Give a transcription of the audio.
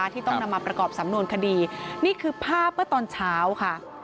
ที่ต้องนำมาประกอบสำนวนคดีนี่คือภาพเมื่อตอนเช้าค่ะ